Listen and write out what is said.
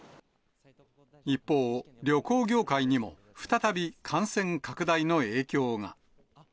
一方、旅行業界にも再び感染拡大の影響が。